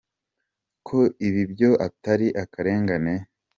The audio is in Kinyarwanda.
rw ko ibi byo atari akarengane.